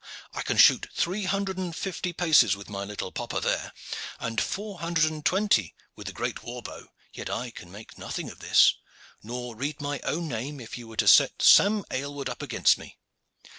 I can shoot three hundred and fifty paces with my little popper there, and four hundred and twenty with the great war bow; yet I can make nothing of this, nor read my own name if you were to set 'Sam Aylward' up against me.